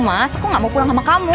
aku gak mau mas